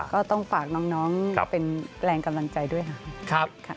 ก็ต้องฝากน้องเป็นแรงกำลังใจด้วยค่ะ